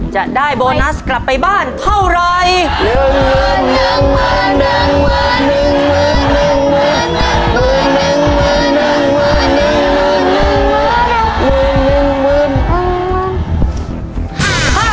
จะได้โบนัสกลับไปบ้านเท่าไร